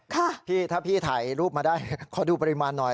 พี่ถ้าพี่ถ่ายรูปมาได้ขอดูปริมาณหน่อย